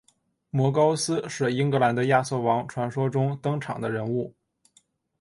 摩高斯是英格兰的亚瑟王传说中登场的人物。